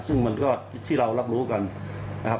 ซึ่งมันก็ที่เรารับรู้กันนะครับ